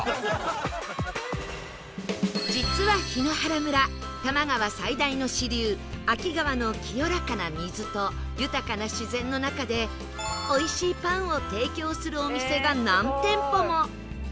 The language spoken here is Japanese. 実は檜原村多摩川最大の支流秋川の清らかな水と豊かな自然の中でおいしいパンを提供するお店が何店舗も